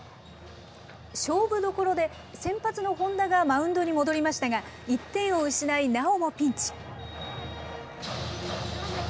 勝負どころで、先発の本田がマウンドに戻りましたが、１点を失い、なおもピンチ。